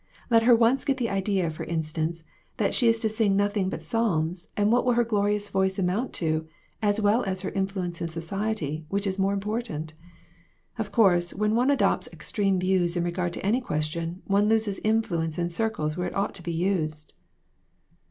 Let her once get the idea, for instance, that she is to sing nothing but psalms, and what will her glorious voice amount to, as well as her influence in society, which is more important ? Of course, when one adopts extreme views in regard to any question, one loses influence in circles where it ought to be used."